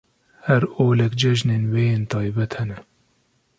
Her olek cejinên wê yên taybet hene.